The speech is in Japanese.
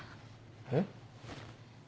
えっ？